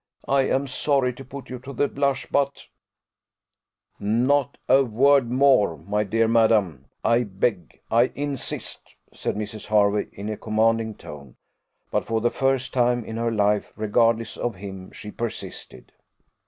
I am sorry to put you to the blush; but " "Not a word more, my dear madam, I beg I insist," said Mr. Hervey in a commanding tone; but, for the first time in her life, regardless of him, she persisted.